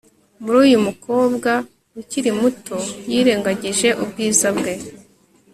muri uyu mukobwa ukiri muto yirengagije ubwiza bwe